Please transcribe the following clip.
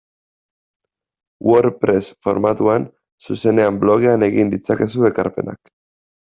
WordPress formatuan zuzenean blogean egin ditzakezue ekarpenak.